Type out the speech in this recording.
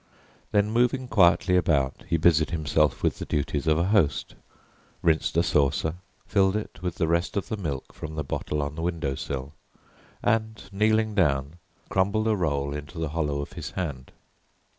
Then moving quietly about he busied himself with the duties of a host, rinsed a saucer, filled it with the rest of the milk from the bottle on the window sill, and kneeling down, crumbled a roll into the hollow of his hand.